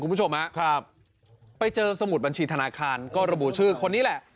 คุณผู้ชมครับไปเจอสมุดบัญชีธนาคารก็ระบุชื่อคนนี้แหละ